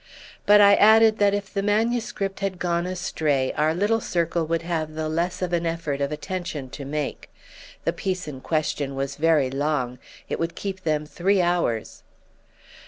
But I added that if the manuscript had gone astray our little circle would have the less of an effort of attention to make. The piece in question was very long—it would keep them three hours.